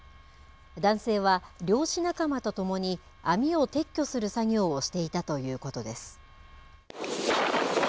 男性は、漁師仲間と共に網を撤去する作業をしていたということです。